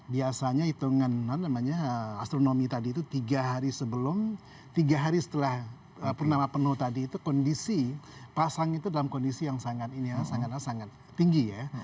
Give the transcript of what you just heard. biasanya hitungan astronomi tadi itu tiga hari sebelum tiga hari setelah purnama penuh tadi itu kondisi pasang itu dalam kondisi yang sangat ini ya sangat tinggi ya